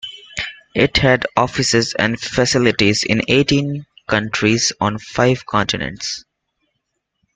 It had offices and facilities in eighteen countries on five continents.